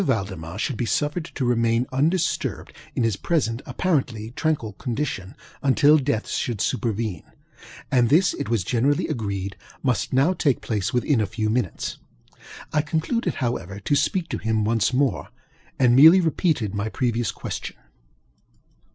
Valdemar should be suffered to remain undisturbed in his present apparently tranquil condition, until death should superveneŌĆöand this, it was generally agreed, must now take place within a few minutes. I concluded, however, to speak to him once more, and merely repeated my previous question.